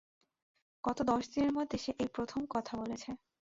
গত দশ দিনের মধ্যে সে এই প্রথম কথা বলেছে।